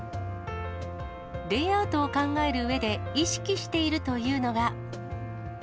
レイアウトを考えるうえで、意識しているというのが。